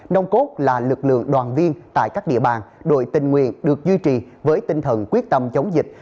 nông cốt là lực lượng đoàn viên tại các địa bàn đội tình nguyện được duy trì với tinh thần quyết tâm chống dịch